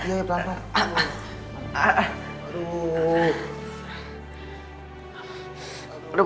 pegangan nama gue yang sendirian